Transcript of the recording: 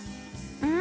うん。